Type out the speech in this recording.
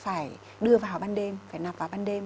phải đưa vào ban đêm phải nạp vào ban đêm